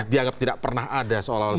dianggap tidak pernah ada seolah olah